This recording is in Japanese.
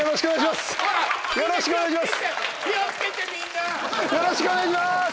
よろしくお願いします！